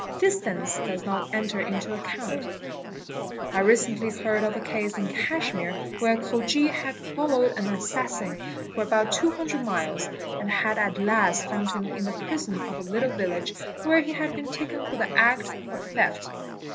Distance does not enter into account. I recently heard of a case in Cashmere where a Khoji had followed an assassin for about 200 miles and had at last found him in the prison of a little village where he had been taken in the act of theft.